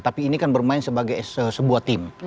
tapi ini kan bermain sebagai sebuah tim